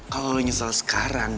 kalo lu nyesel sekarang